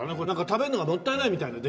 食べるのがもったいないみたいな。